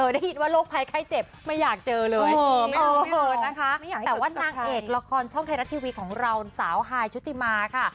ได้ยินว่าโรคภัยไข้เจ็บไม่อยากเจอเลยไม่รู้นะคะแต่ว่านางเอกละครช่องไทยรัฐทีวีของเราสาวฮายชุติมาค่ะ